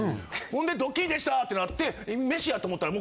ほんでドッキリでした！ってなって飯やと思たら。